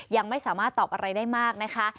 ยังไม่สามารถตอบอะไรได้มากนะคะ